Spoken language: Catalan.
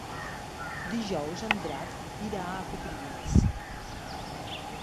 Dijous en Drac irà a Potries.